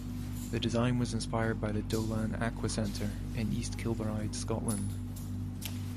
The design was inspired by the Dollan Aqua Centre in East Kilbride, Scotland.